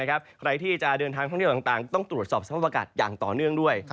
ใครที่จะเดินทางท่องเที่ยวต่างต้องตรวจสอบสภาพอากาศอย่างต่อเนื่องด้วย